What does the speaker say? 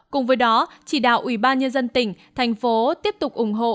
cùng với đó chỉ đạo ủy ban nhân dân tỉnh thành phố tiếp tục ủng hộ